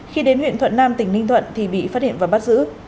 khi đến huyện thuận nam tỉnh ninh thuận thì bị phát hiện và bắt giữ